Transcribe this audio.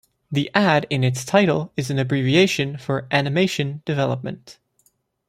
The "Ad" in its title is an abbreviation for "Animation Development".